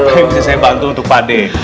apa yang bisa saya bantu untuk pak d